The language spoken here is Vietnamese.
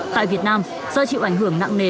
tại việt nam do chịu ảnh hưởng nặng nề